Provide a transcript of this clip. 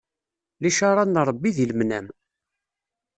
Licaṛa n Ṛebbi di lemnam.